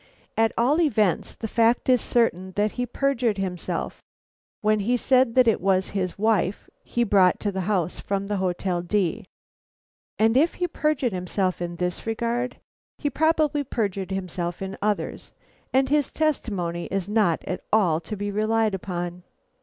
At all events, the fact is certain that he perjured himself when he said that it was his wife he brought to the house from the Hotel D , and if he perjured himself in this regard, he probably perjured himself in others, and his testimony is not at all to be relied upon.